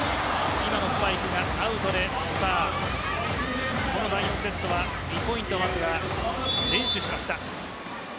今のスパイクがアウトで第４セットは２ポイントまずは連取しました。